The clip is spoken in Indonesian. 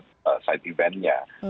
di dalam site event nya